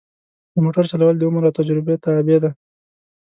د موټر چلول د عمر او تجربه تابع دي.